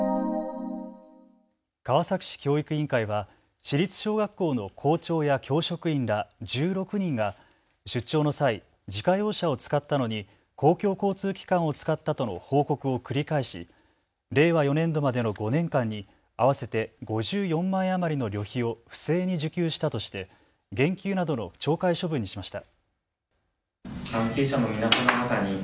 川崎市教育委員会は市立小学校の校長や教職員ら１６人が出張の際、自家用車を使ったのに公共交通機関を使ったとの報告を繰り返し、令和４年度までの５年間に合わせて５４万円余りの旅費を不正に受給したとして減給などの懲戒処分にしました。